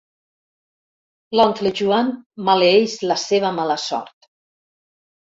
L'oncle Joan maleeix la seva mala sort.